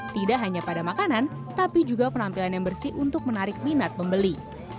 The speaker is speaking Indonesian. tidak hanya pada makanan tapi juga penampilan yang bersih untuk menarik minat pembeli